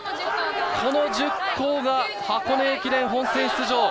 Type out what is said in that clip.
この１０校が箱根駅伝本戦出場。